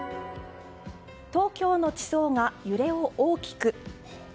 東京の地層が揺れを大きく。